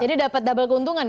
jadi dapat double keuntungan